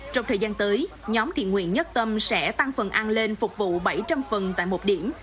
trong thời gian tới nhóm thiện nguyện nhất tâm sẽ tăng phần ăn lên phục vụ bảy trăm linh phần tại một điểm